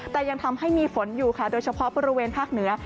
แต่ยังทำให้มีฝนอยู่ค่ะโดยเฉพาะบริเวณภาคเหนือ